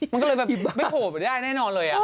มันก็เลยแบบไม่โผล่ไปได้แน่นอนเลย